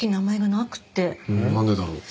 なんでだろう？